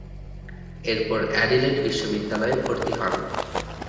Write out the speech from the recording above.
এরপর অ্যাডিলেড বিশ্ববিদ্যালয়ে ভর্তি হন।